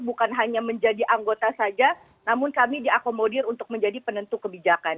bukan hanya menjadi anggota saja namun kami diakomodir untuk menjadi penentu kebijakan